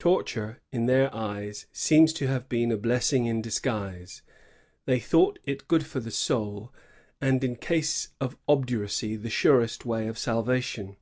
Torture, in their eyes, seems to have been a blessing in disguise. They thought it good for the soul, and in case of obduracy the surest way of salvation.